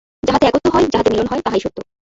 যাহাতে একত্ব হয়, যাহাতে মিলন হয়, তাহাই সত্য।